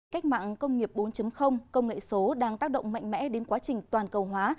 cách mạng công nghiệp bốn công nghệ số đang tác động mạnh mẽ đến quá trình toàn cầu hóa